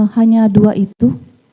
hanya dua itu